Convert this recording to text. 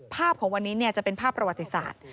ภาพของวันนี้จะเป็นภาพประวัติศาสตร์